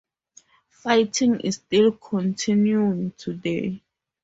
Fighting is still continuing today.